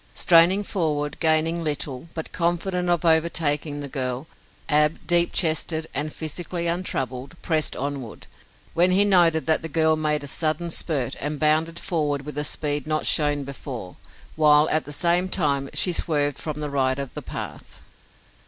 Straining forward, gaining little, but confident of overtaking the girl, Ab, deep chested and physically untroubled, pressed onward, when he noted that the girl made a sudden spurt and bounded forward with a speed not shown before, while, at the same time, she swerved from the right of the path.